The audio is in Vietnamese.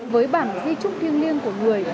với bản di chúc thương liêng